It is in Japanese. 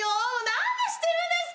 「何で知ってるんですか？